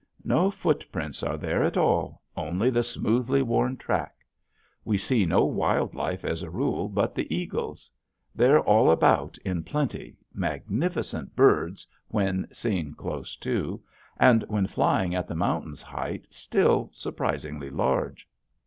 No footprints are there at all, only the smoothly worn track. We see no wild life as a rule but the eagles. They're all about in plenty, magnificent birds when seen close to, and when flying at the mountain's height still surprisingly large.